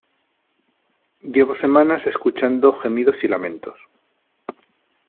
llevo semanas escuchando gemidos y lamentos ,